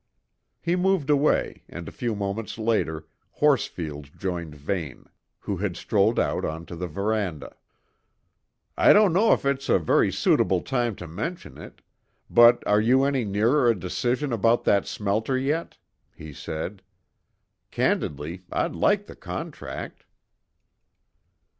He moved away, and a few moments later Horsfield joined Vane, who had strolled out on to the verandah. "I don't know if it's a very suitable time to mention it, but are you any nearer a decision about that smelter yet?" he said. "Candidly, I'd like the contract."